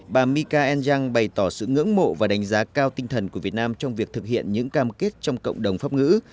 bà mika enjang bày tỏ sự ngưỡng mộ và đánh giá cao tinh thần của việt nam trong việc thực hiện những cam kết trong cộng đồng pháp ngữ